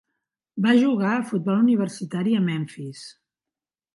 Va jugar a futbol universitari a Memphis.